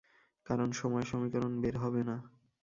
কারণ সময় সমীকরণ বের হবে না।